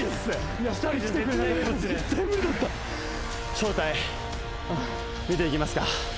正体、見ていきますか。